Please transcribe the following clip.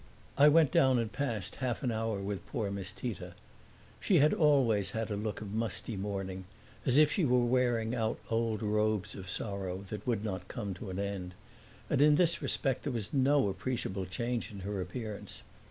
I went down and passed half an hour with poor Miss Tita. She had always had a look of musty mourning (as if she were wearing out old robes of sorrow that would not come to an end), and in this respect there was no appreciable change in her appearance.